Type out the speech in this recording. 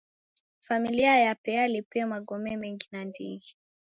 Familia yape yalipie magome mengi nandighi.